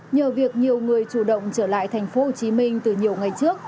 nhờ việc nhiều người chủ động trở lại tp hcm từ nhiều ngày trước